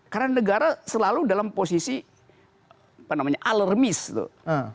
karena negara selalu dalam posisi apa namanya alarmis tuh